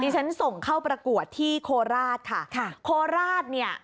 ฉันส่งเข้าประกวดที่โคราชค่ะค่ะโคราชเนี่ย